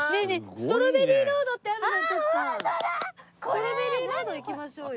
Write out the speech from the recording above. ストロベリーロード行きましょうよ。